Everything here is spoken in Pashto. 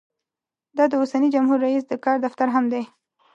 دا د اوسني جمهور رییس د کار دفتر هم دی.